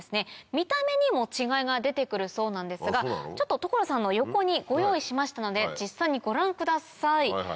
見た目にも違いが出て来るそうなんですが所さんの横にご用意しましたので実際にご覧ください。